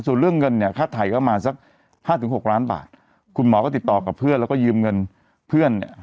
ส่วนเรื่องเงินเนี่ยค่าถ่ายก็ประมาณสักห้าถึงหกล้านบาทคุณหมอก็ติดต่อกับเพื่อนแล้วก็ยืมเงินเพื่อนเนี่ย